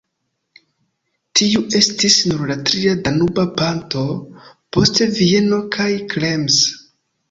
Tiu estis nur la tria Danuba ponto, post Vieno kaj Krems.